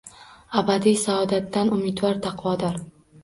Аbadiy saodatdan umidvor taqvodor…